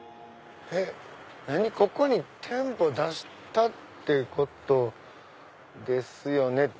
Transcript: ここに店舗出したってことですよね。